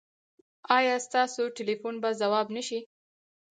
ایا ستاسو ټیلیفون به ځواب نه شي؟